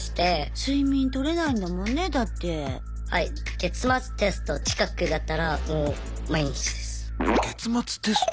月末テスト近くだったらもう毎日です。